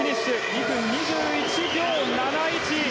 ２分２１秒７１。